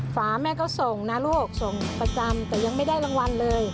ฝาแม่ก็ส่งนะลูกส่งประจำแต่ยังไม่ได้รางวัลเลย